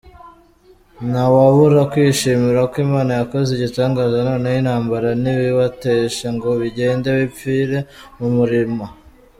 Ntawabura kwishimira ko Imana yakoze igitangaza noneho intambara ntibibateshe ngo bigende bipfire mu murima.